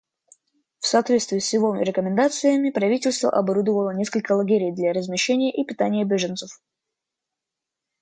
В соответствии с его рекомендациями правительство оборудовало несколько лагерей для размещения и питания беженцев.